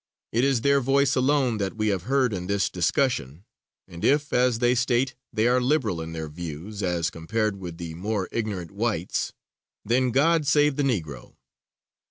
It is their voice alone that we have heard in this discussion; and if, as they state, they are liberal in their views as compared with the more ignorant whites, then God save the Negro!